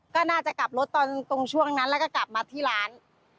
ก็น่าจะกลับรถตอนตรงช่วงนั้นแล้วก็กลับมาที่ร้าน